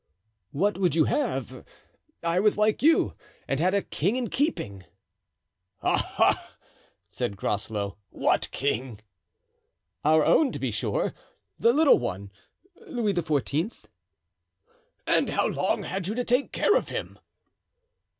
"What would you have? I was like you, and had a king in keeping." "Aha!" said Groslow; "what king?" "Our own, to be sure, the little one—Louis XIV." "And how long had you to take care of him?"